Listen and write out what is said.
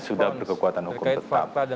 sudah berkekuatan hukum tetap